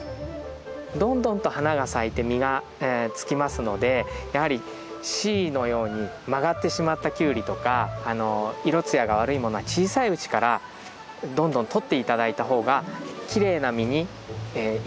どんどんと花が咲いて実がつきますのでやはりＣのように曲がってしまったキュウリとか色ツヤが悪いものは小さいうちからどんどんとって頂いた方がきれいな実に一層栄養が行きますので